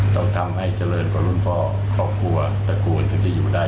ต้องทำให้เจริญกว่ารุ่นพ่อครอบครัวตระกูลถึงจะอยู่ได้